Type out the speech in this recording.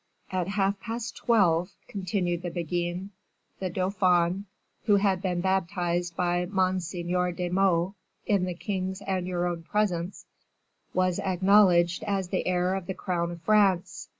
"At half past twelve," continued the Beguine, "the dauphin, who had been baptized by Monseigneur de Meaux in the king's and your own presence, was acknowledged as the heir of the crown of France.